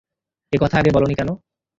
একথা আগে বলোনি কেন?